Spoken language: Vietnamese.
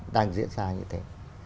đang diễn ra như thế